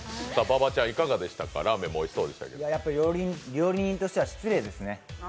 やっぱり料理人としては失礼ですね。